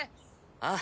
ああ！